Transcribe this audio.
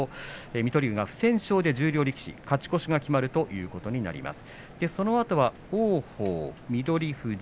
水戸龍、不戦勝で十両力士勝ち越しが決まるということになります。